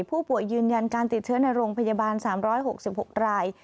ยืนยันการติดเชื้อในโรงพยาบาล๓๖๖ราย